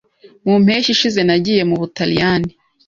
Mu mpeshyi ishize nagiye mu Butaliyani.